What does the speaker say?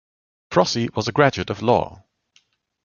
Frossi was a graduate of law.